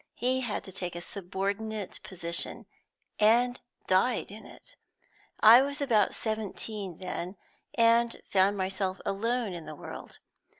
He had to take a subordinate position, and died in it. I was about seventeen then, and found myself alone in the world.